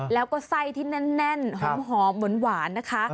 แล้วก็ไส้ที่แน่นหอมหวานนะคะ